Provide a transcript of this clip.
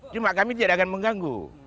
cuma kami tidak akan mengganggu